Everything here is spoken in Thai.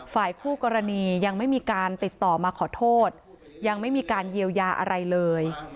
ฝ่ายคู่กรณียังไม่มีการติดต่อมาขอโทษยังไม่มีการเยียวยาอะไรเลย